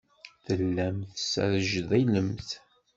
Tellamt tesrejdilemt.